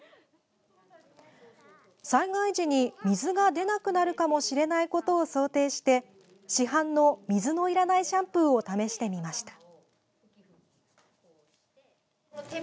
災害時に、水が出なくなるかもしれないことを想定して市販の水のいらないシャンプーを試してみました。